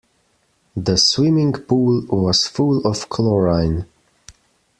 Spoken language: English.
The swimming pool was full of chlorine.